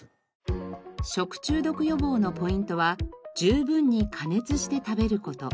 食中毒予防のポイントは十分に加熱して食べる事。